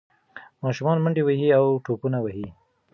ماشومان منډې وهي او ټوپونه وهي.